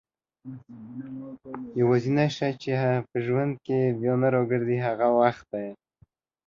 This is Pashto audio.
يوازينی شی چي په ژوند کي بيا نه راګرځي هغه وخت دئ